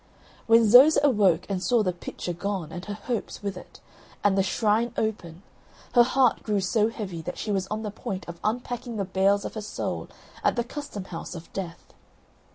When Zoza awoke and saw the pitcher gone, and her hopes with it, and the shrine open, her heart grew so heavy that she was on the point of unpacking the bales of her soul at the custom house of Death.